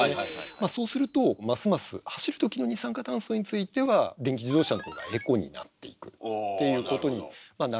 まあそうするとますます走る時の二酸化炭素については電気自動車の方がエコになっていくっていうことになるんですよ。